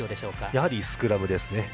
やはりスクラムですね。